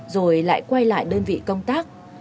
rồi lại quay lại đơn vị công tác